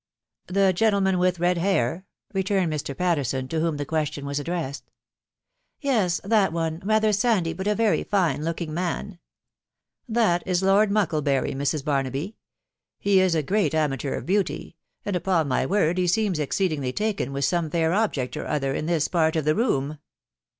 " The gentleman with red hair ?" returned Mr. Patterson, to whom the question was addressed. " Yes, that one, rather sandy, but a very fine looking man." " That is Lord Mucklebury, Mrs. Barnaby. ... He is a great amateur of beauty ; and, upon my word, he seems exceedingly taken with some fair object or other in this part of the room."